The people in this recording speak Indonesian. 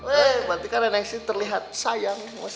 eh berarti kan neng sri terlihat sayang sama saya